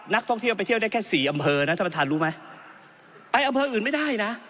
นักท่องเที่ยวไปเที่ยวได้แค่สี่อำเภอนะท่านประธานรู้ไหมไปอำเภออื่นไม่ได้นะ